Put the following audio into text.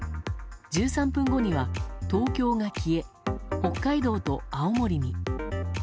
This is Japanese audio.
１３分後には東京が消え北海道と青森に。